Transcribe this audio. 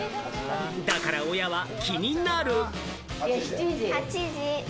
だから親は気になる。